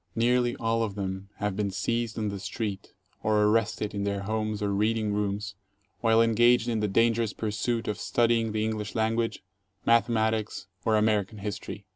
Nearly all of them have been seized on the street or arrested in their homes or reading rooms while engaged in the dangerous pursuit of studying the English language, mathematics, or American history.